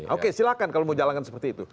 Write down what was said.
oke silahkan kalau mau jalankan seperti itu